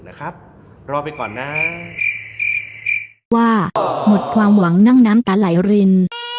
นะครับรอไปก่อนนะว่าหมดความหวังนั่งน้ำตาไหลริน